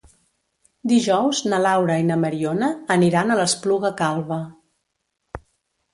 Dijous na Laura i na Mariona aniran a l'Espluga Calba.